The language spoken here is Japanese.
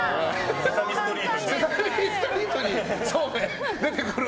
「セサミストリート」に出てくる。